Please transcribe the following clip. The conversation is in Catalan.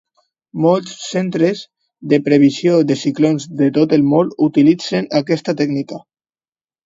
Molts centres de previsió de ciclons de tot el món utilitzen aquesta tècnica.